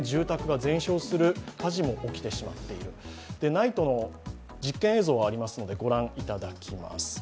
ＮＩＴＥの実験映像がありますので、ご覧いただきます。